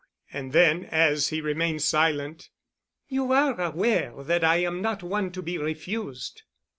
And then, as he remained silent, "You are aware that I am not one to be refused."